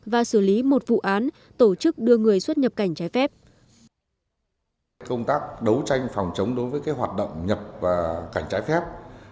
và xử lý một vụ án tổ chức đưa người xuất nhập cảnh trái phép